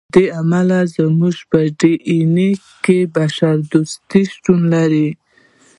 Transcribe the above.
له همدې امله زموږ په ډي اېن اې کې بشر دوستي شتون لري.